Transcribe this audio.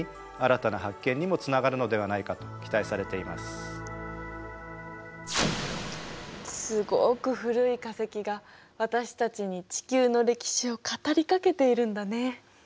このようなすごく古い化石が私たちに地球の歴史を語りかけているんだね。